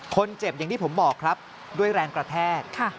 อย่างที่ผมบอกครับด้วยแรงกระแทก